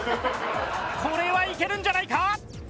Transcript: これはいけるんじゃないか？